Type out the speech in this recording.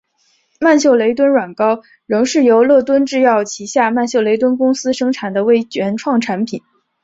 曼秀雷敦软膏仍是由乐敦制药旗下曼秀雷敦公司生产的为原创产品。